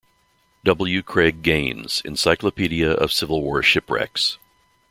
W. Craig Gaines, "Encyclopedia of Civil War shipwrecks".